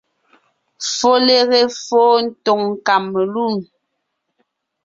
Folere fô tòŋ kamelûm,